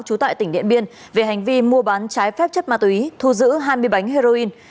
trú tại tỉnh điện biên về hành vi mua bán trái phép chất ma túy thu giữ hai mươi bánh heroin